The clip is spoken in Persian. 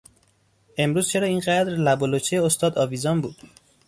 امروز چرا این قدر لب و لوچهی استاد آویزان بود؟